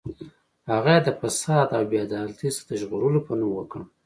هغه یې د فساد او بې عدالتۍ څخه د ژغورلو په نوم وکړ.